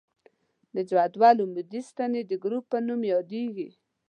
د جدول عمودي ستنې د ګروپ په نوم یادیږي.